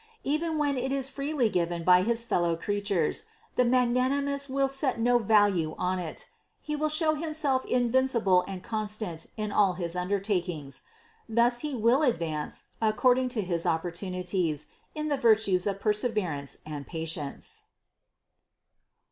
Even when it is freely given by his fellow creatures, the magnanimous will set no value on it ; he will show himself invincible and constant in all his undertakings. Thus he will advance, according to his opportunities, in the virtues of perseverance and patience.